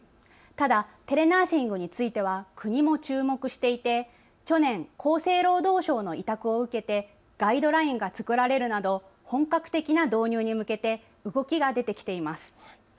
ただテレナーシングについては国も注目していて去年、厚生労働省の委託を受けてガイドラインが作られるなど本格的な導入に向けて動きが出てきています。